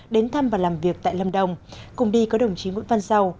đến thăm và làm việc tại lâm đồng cùng đi có đồng chí nguyễn văn giàu